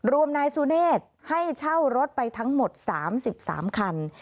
นายสุเนธให้เช่ารถไปทั้งหมด๓๓คัน